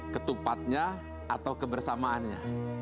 ketupatnya atau kebersamaannya